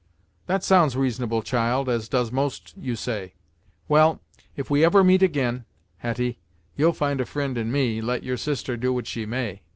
"That sounds reasonable, child, as does most you say. Well, if we ever meet ag'in, Hetty, you'll find a fri'nd in me, let your sister do what she may.